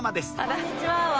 「こんにちは」は？